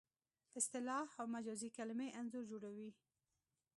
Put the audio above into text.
اصطلاح او مجازي کلمې انځور جوړوي